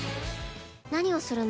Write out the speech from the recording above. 何をするの？